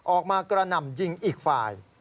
ออกมากระนำยิงอีกฝ่าย